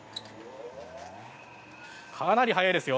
かなり早いですよ。